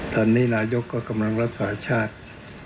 ตอนนี้นายกก็กำลังรักษาชาติ